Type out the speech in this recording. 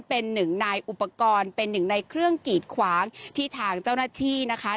เป็นหนึ่งนายอุปกรณ์เป็นหนึ่งในเครื่องกีดขวางที่ทางเจ้าหน้าที่นะคะ